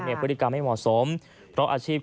บริการะหน้าไม่เหมาะสมเพราะอาชีพ